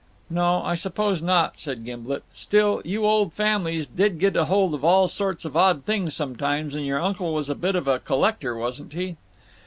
"No, I suppose not," said Gimblet. "Still, you old families did get hold of all sorts of odd things sometimes, and your uncle was a bit of a collector, wasn't he?"